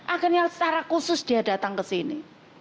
akhirnya secara khusus dia datang ke sini